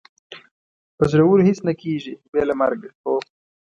په زړورو هېڅ نه کېږي، بې له مرګه، هو.